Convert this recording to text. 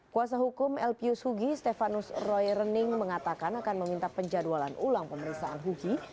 kuasa hukum l p u s hugi stefanus roy renning mengatakan akan meminta penjadwalan ulang pemeriksaan hugi